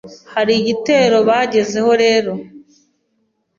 Hari igitero bagezeho rero